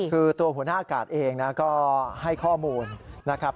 คือตัวหัวหน้ากาศเองก็ให้ข้อมูลนะครับ